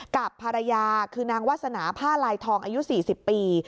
กับภรรยาคือนางวาสนาผ้าลายทองอายุ๔๐ปี